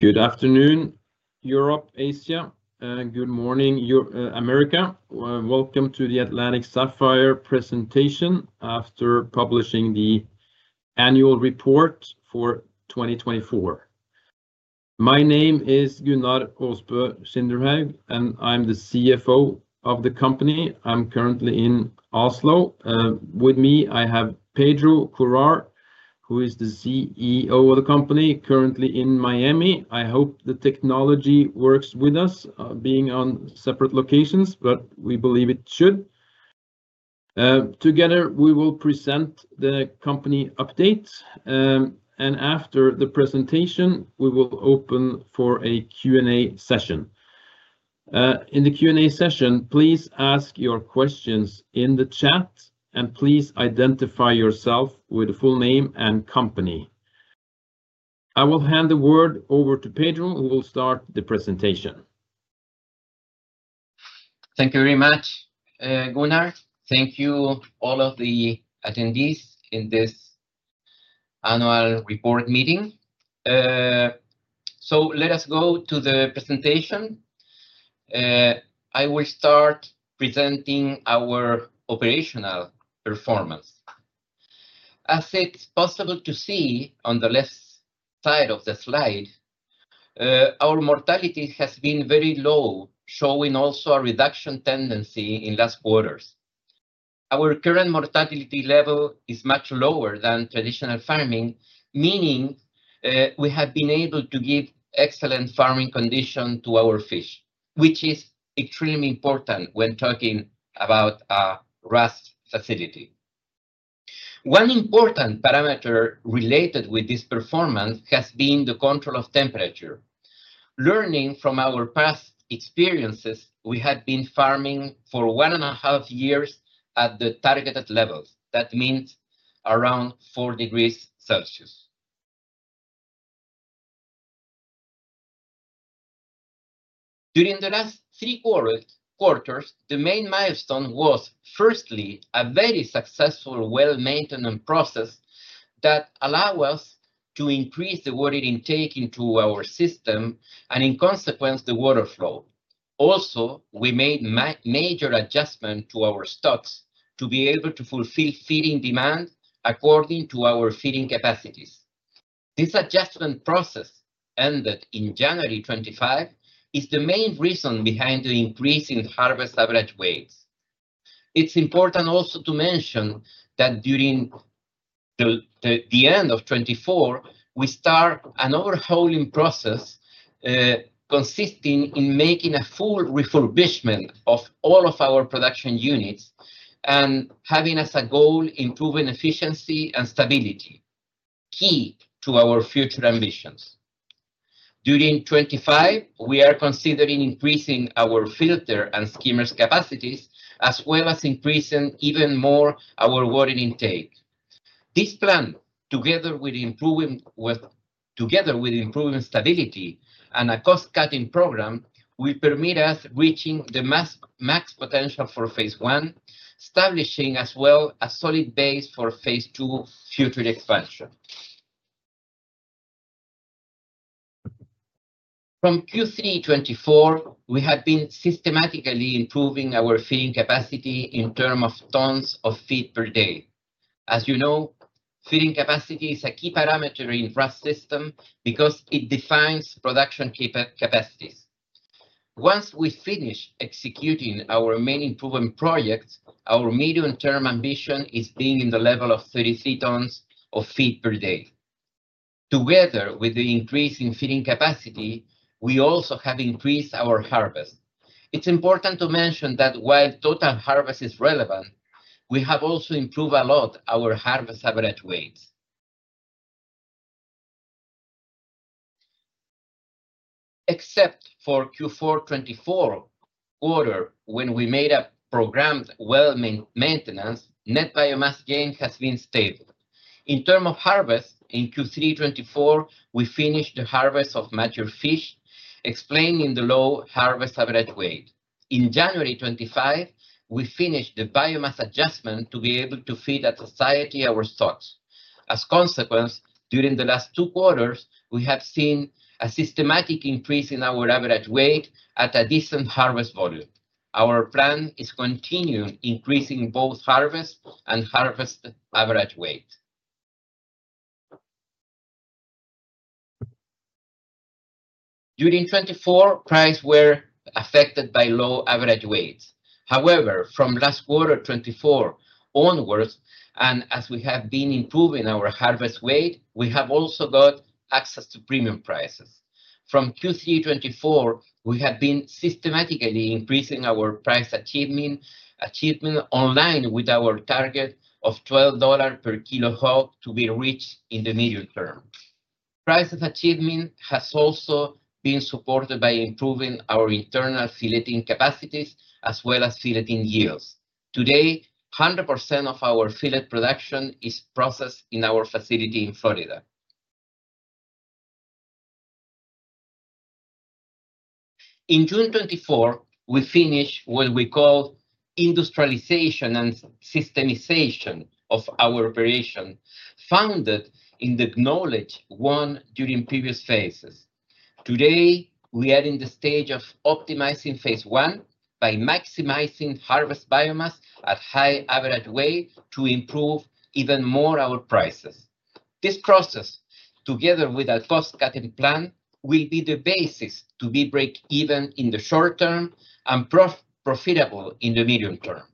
Good afternoon, Europe, Asia, and good morning, America. Welcome to the Atlantic Sapphire presentation after publishing the annual report for 2024. My name is Gunnar Aasbo-Skinderhaug, and I'm the CFO of the company. I'm currently in Oslo. With me, I have Pedro Courard, who is the CEO of the company, currently in Miami. I hope the technology works with us, being on separate locations, but we believe it should. Together, we will present the company updates, and after the presentation, we will open for a Q&A session. In the Q&A session, please ask your questions in the chat, and please identify yourself with the full name and company. I will hand the word over to Pedro, who will start the presentation. Thank you very much, Gunnar. Thank you, all of the attendees in this annual report meeting. Let us go to the presentation. I will start presenting our operational performance. As it is possible to see on the left side of the slide, our mortality has been very low, showing also a reduction tendency in last quarters. Our current mortality level is much lower than traditional farming, meaning we have been able to give excellent farming conditions to our fish, which is extremely important when talking about a RAS facility. One important parameter related with this performance has been the control of temperature. Learning from our past experiences, we had been farming for one and a half years at the targeted levels—that means around 4 degrees Celsius. During the last three quarters, the main milestone was, firstly, a very successful, well-maintained process that allowed us to increase the water intake into our system and, in consequence, the water flow. Also, we made major adjustments to our stocks to be able to fulfill feeding demand according to our feeding capacities. This adjustment process ended in January 2025 is the main reason behind the increase in harvest average weights. It's important also to mention that during the end of 2024, we started an overhauling process consisting in making a full refurbishment of all of our production units and having as a goal improving efficiency and stability, key to our future ambitions. During 2025, we are considering increasing our filter and skimmers capacities, as well as increasing even more our water intake. This plan, together with improving stability and a cost-cutting program, will permit us reaching the max potential for phase I, establishing as well a solid base for phase II future expansion. From Q3 2024, we have been systematically improving our feeding capacity in terms of tons of feed per day. As you know, feeding capacity is a key parameter in the RAS system because it defines production capacities. Once we finish executing our main improvement projects, our medium-term ambition is being in the level of 33 tons of feed per day. Together with the increase in feeding capacity, we also have increased our harvest. It's important to mention that while total harvest is relevant, we have also improved a lot our harvest average weights. Except for Q4 2024 quarter, when we made a programmed well maintenance, net biomass gain has been stable. In terms of harvest, in Q3 2024, we finished the harvest of mature fish, explaining the low harvest average weight. In January 2025, we finished the biomass adjustment to be able to feed at society our stocks. As a consequence, during the last two quarters, we have seen a systematic increase in our average weight at a decent harvest volume. Our plan is to continue increasing both harvest and harvest average weight. During 2024, prices were affected by low average weights. However, from last quarter 2024 onwards, and as we have been improving our harvest weight, we have also got access to premium prices. From Q3 2024, we have been systematically increasing our price achievement online with our target of $12 per kilo HOG to be reached in the medium term. Price achievement has also been supported by improving our internal filleting capacities, as well as filleting yields. Today, 100% of our fillet production is processed in our facility in Florida. In June 2024, we finished what we call industrialization and systemization of our operation, founded in the knowledge won during previous phases. Today, we are in the stage of optimizing phase I by maximizing harvest biomass at high average weight to improve even more our prices. This process, together with a cost-cutting plan, will be the basis to be break-even in the short term and profitable in the medium term.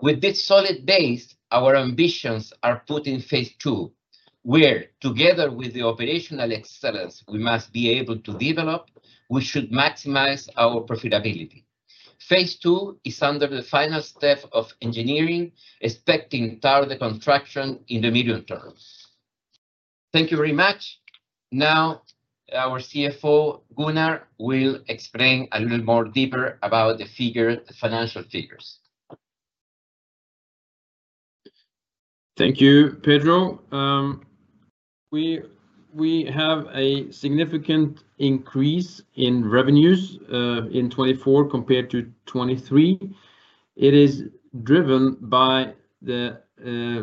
With this solid base, our ambitions are put in phase II, where, together with the operational excellence we must be able to develop, we should maximize our profitability. Phase II is under the final step of engineering, expecting further construction in the medium term. Thank you very much. Now, our CFO, Gunnar, will explain a little more deeper about the financial figures. Thank you, Pedro. We have a significant increase in revenues in 2024 compared to 2023. It is driven by the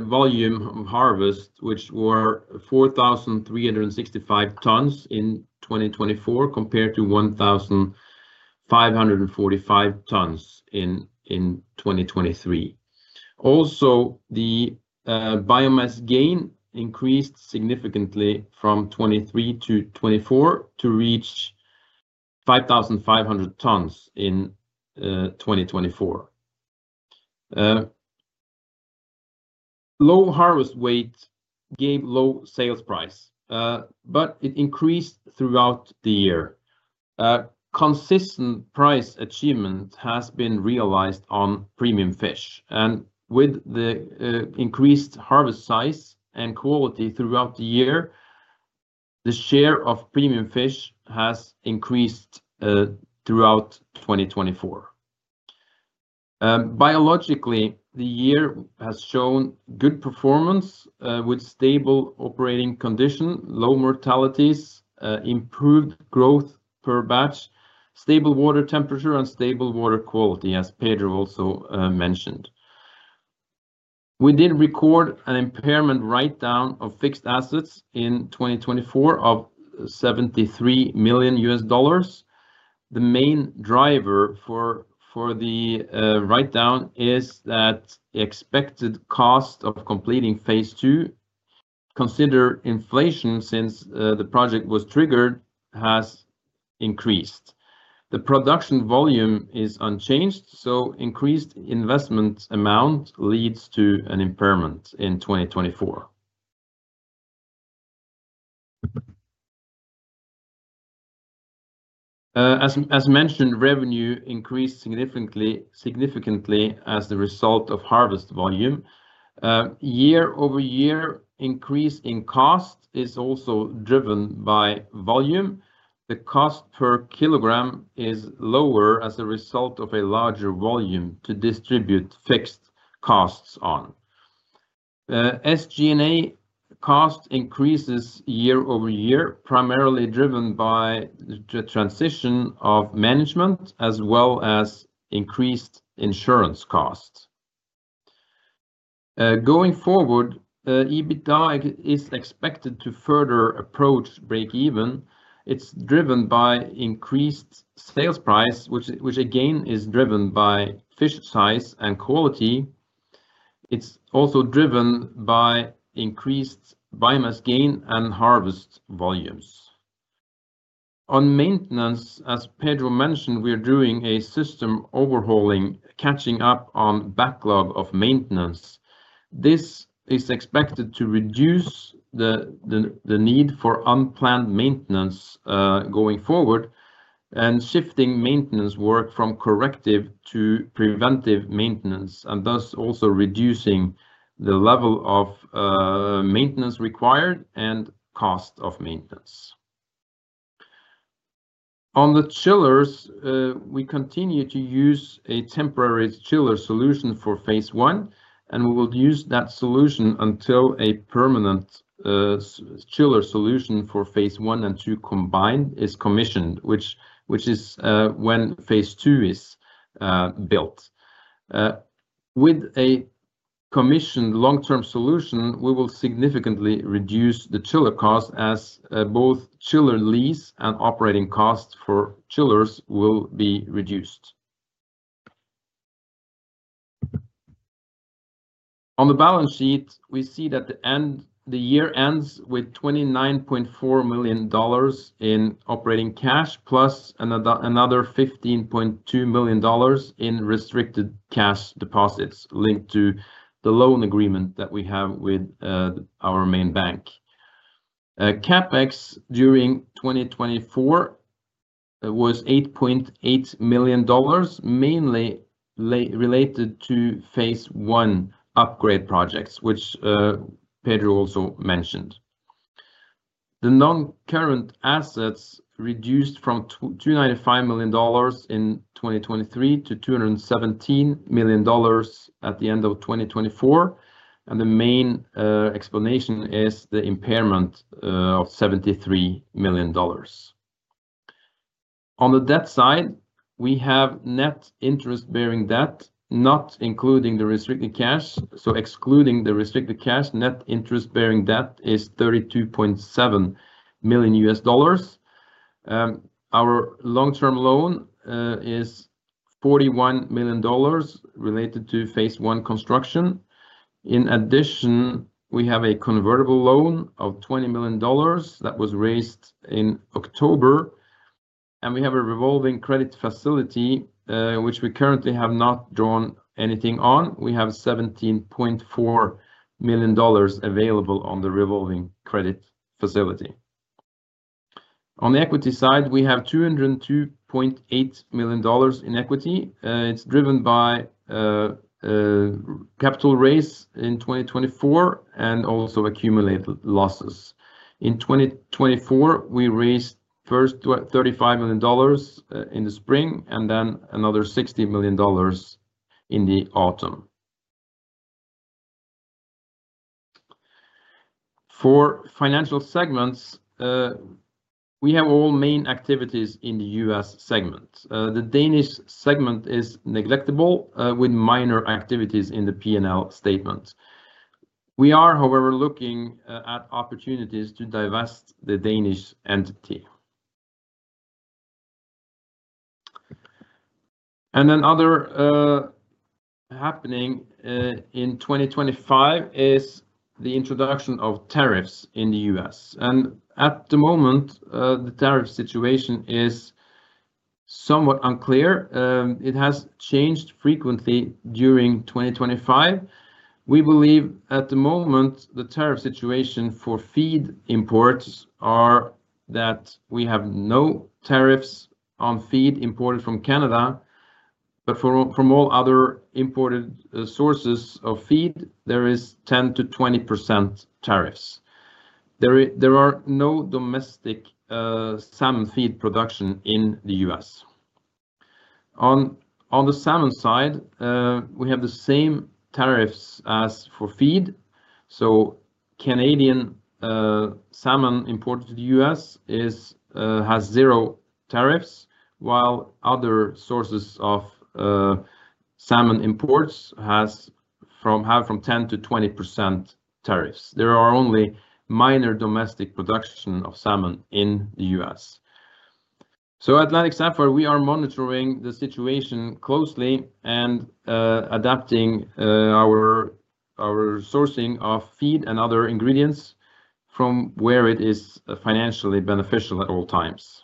volume of harvest, which were 4,365 tons in 2024 compared to 1,545 tons in 2023. Also, the biomass gain increased significantly from 2023-2024 to reach 5,500 tons in 2024. Low harvest weight gave low sales price, but it increased throughout the year. Consistent price achievement has been realized on premium fish. With the increased harvest size and quality throughout the year, the share of premium fish has increased throughout 2024. Biologically, the year has shown good performance with stable operating conditions, low mortalities, improved growth per batch, stable water temperature, and stable water quality, as Pedro also mentioned. We did record an impairment write-down of fixed assets in 2024 of $73 million. The main driver for the write-down is that the expected cost of completing phase II, considering inflation since the project was triggered, has increased. The production volume is unchanged, so increased investment amount leads to an impairment in 2024. As mentioned, revenue increased significantly as the result of harvest volume. Year-over-year increase in cost is also driven by volume. The cost per kilogram is lower as a result of a larger volume to distribute fixed costs on. SG&A cost increases year-over-year, primarily driven by the transition of management as well as increased insurance costs. Going forward, EBITDA is expected to further approach break-even. It's driven by increased sales price, which again is driven by fish size and quality. It's also driven by increased biomass gain and harvest volumes. On maintenance, as Pedro mentioned, we are doing a system overhauling, catching up on backlog of maintenance. This is expected to reduce the need for unplanned maintenance going forward and shifting maintenance work from corrective to preventive maintenance, and thus also reducing the level of maintenance required and cost of maintenance. On the chillers, we continue to use a temporary chiller solution for phase I, and we will use that solution until a permanent chiller solution for phase I and II combined is commissioned, which is when phase II is built. With a commissioned long-term solution, we will significantly reduce the chiller cost as both chiller lease and operating costs for chillers will be reduced. On the balance sheet, we see that the year ends with $29.4 million in operating cash plus another $15.2 million in restricted cash deposits linked to the loan agreement that we have with our main bank. CapEx during 2024 was $8.8 million, mainly related to phase I upgrade projects, which Pedro also mentioned. The non-current assets reduced from $295 million in 2023 to $217 million at the end of 2024. The main explanation is the impairment of $73 million. On the debt side, we have net interest-bearing debt, not including the restricted cash. Excluding the restricted cash, net interest-bearing debt is $32.7 million. Our long-term loan is $41 million related to phase I construction. In addition, we have a convertible loan of $20 million that was raised in October. We have a revolving credit facility, which we currently have not drawn anything on. We have $17.4 million available on the revolving credit facility. On the equity side, we have $202.8 million in equity. It is driven by capital raise in 2024 and also accumulated losses. In 2024, we raised first $35 million in the spring and then another $60 million in the autumn. For financial segments, we have all main activities in the U.S. segment. The Danish segment is negligible with minor activities in the P&L statement. We are, however, looking at opportunities to divest the Danish entity. Another happening in 2025 is the introduction of tariffs in the U.S. At the moment, the tariff situation is somewhat unclear. It has changed frequently during 2025. We believe at the moment the tariff situation for feed imports is that we have no tariffs on feed imported from Canada, but from all other imported sources of feed, there are 10%-20% tariffs. There is no domestic salmon feed production in the U.S. On the salmon side, we have the same tariffs as for feed. Canadian salmon imported to the U.S. has zero tariffs, while other sources of salmon imports have from 10%-20% tariffs. There are only minor domestic production of salmon in the U.S. At Atlantic Sapphire, we are monitoring the situation closely and adapting our sourcing of feed and other ingredients from where it is financially beneficial at all times.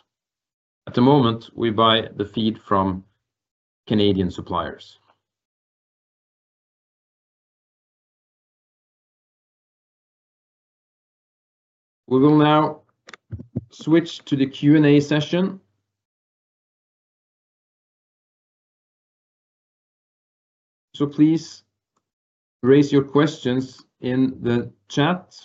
At the moment, we buy the feed from Canadian suppliers. We will now switch to the Q&A session. Please raise your questions in the chat.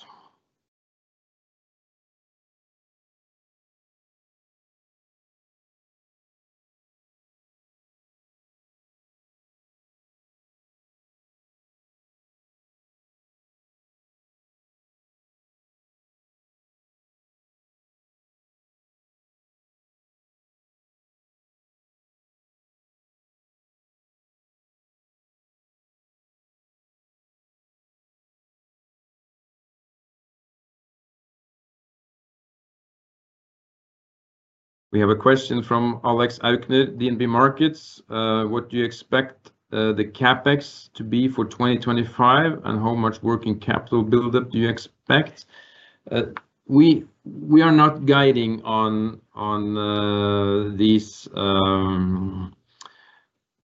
We have a question from Alex Aukner, DNB Markets. What do you expect the CapEx to be for 2025, and how much working capital buildup do you expect? We are not guiding on these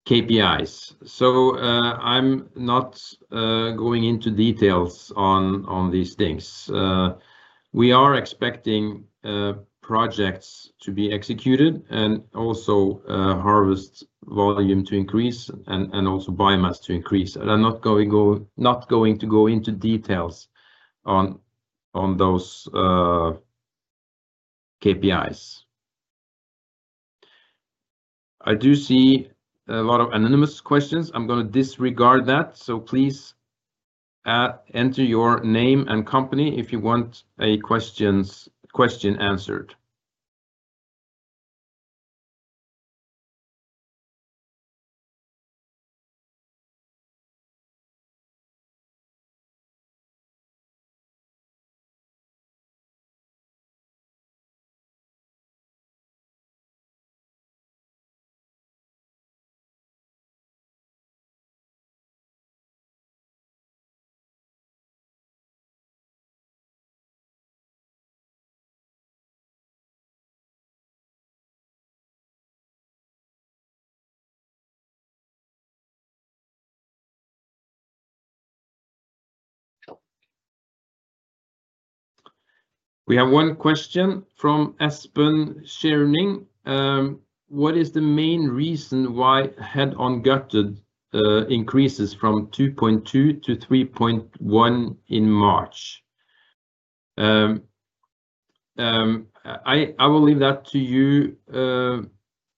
KPIs, so I'm not going into details on these things. We are expecting projects to be executed and also harvest volume to increase and also biomass to increase. I'm not going to go into details on those KPIs. I do see a lot of anonymous questions. I'm going to disregard that. Please enter your name and company if you want a question answered. We have one question from Espen Schierning. What is the main reason why head-on gutted increases from 2.2 kg-3.1 kg in March? I will leave that to you,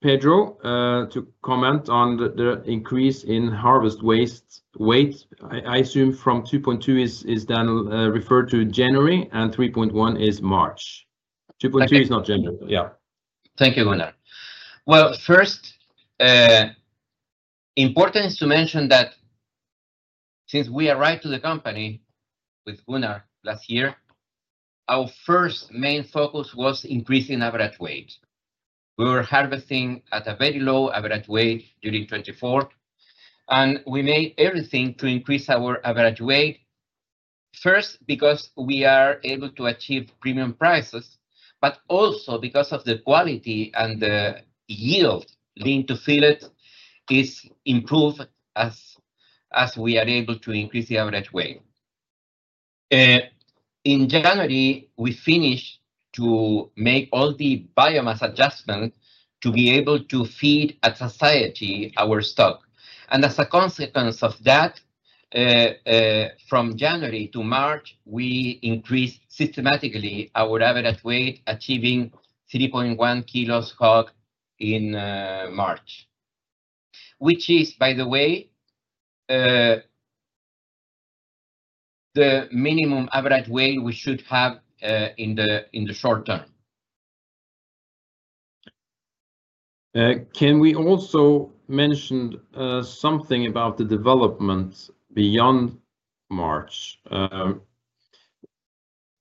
Pedro, to comment on the increase in harvest weight. I assume from 2.2 kg is then referred to January, and 3.1 kg is March. 2.2 kg is not January. Yeah. Thank you, Gunnar. First, it's important to mention that since we arrived to the company with Gunnar last year, our first main focus was increasing average weight. We were harvesting at a very low average weight during 2024, and we made everything to increase our average weight, first because we are able to achieve premium prices, but also because the quality and the yield linked to fillet is improved as we are able to increase the average weight. In January, we finished to make all the biomass adjustment to be able to feed at society our stock. As a consequence of that, from January to March, we increased systematically our average weight, achieving 3.1 kg HOG in March, which is, by the way, the minimum average weight we should have in the short-term. Can we also mention something about the development beyond March?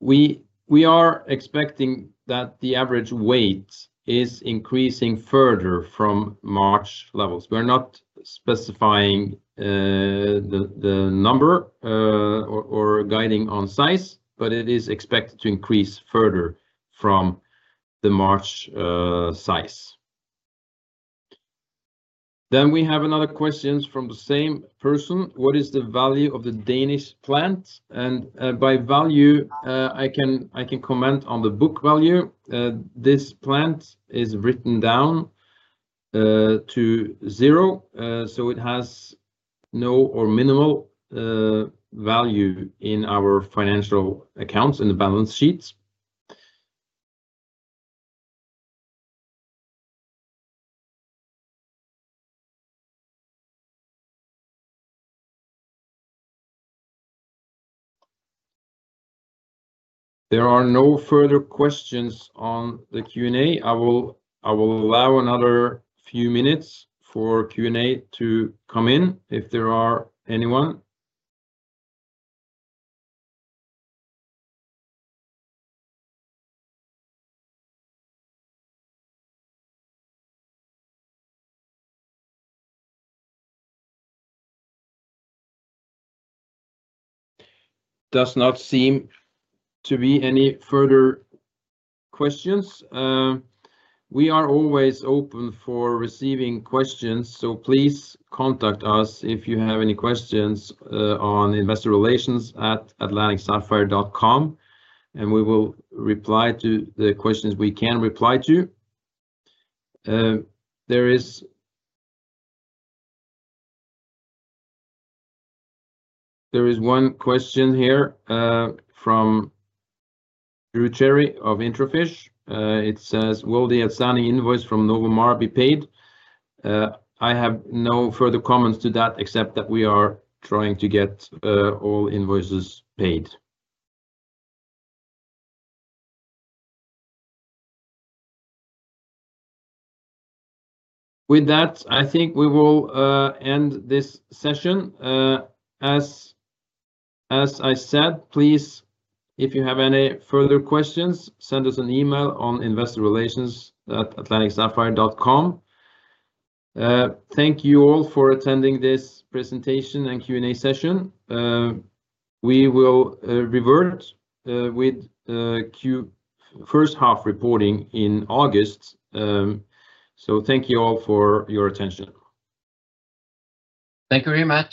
We are expecting that the average weight is increasing further from March levels. We're not specifying the number or guiding on size, but it is expected to increase further from the March size. We have another question from the same person. What is the value of the Danish plant? By value, I can comment on the book value. This plant is written down to zero, so it has no or minimal value in our financial accounts in the balance sheet. There are no further questions on the Q&A. I will allow another few minutes for Q&A to come in if there are anyone. Does not seem to be any further questions. We are always open for receiving questions, so please contact us if you have any questions on investor relations at atlantic-sapphire.com, and we will reply to the questions we can reply to. There is one question here from Drew Cherry of Introfish. It says, "Will the outstanding invoice from Novamar be paid?" I have no further comments to that except that we are trying to get all invoices paid. With that, I think we will end this session. As I said, please, if you have any further questions, send us an email on investorrelations@atlantic-sapphire.com. Thank you all for attending this presentation and Q&A session. We will revert with first half reporting in August. Thank you all for your attention. Thank you very much.